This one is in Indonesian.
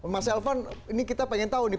mas elvan ini kita pengen tahu nih